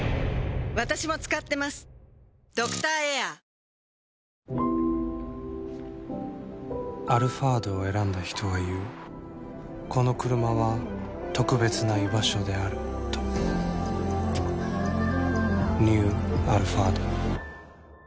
うちのごはんキッコーマン「アルファード」を選んだ人は言うこのクルマは特別な居場所であるとニュー「アルファード」